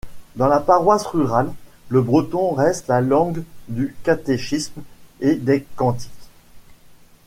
Dans la paroisse rurale, le breton reste la langue du catéchisme et des cantiques.